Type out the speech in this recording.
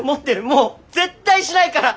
もう絶対しないから。